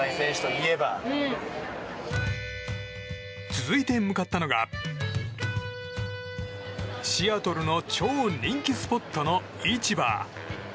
続いて向かったのがシアトルの超人気スポットの市場。